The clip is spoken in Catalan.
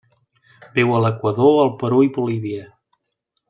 Viu a l'Equador, el Perú i Bolívia.